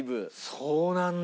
そうなんだ。